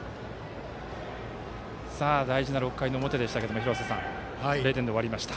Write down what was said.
大事な６回の表でしたが廣瀬さん、０点で終わりました。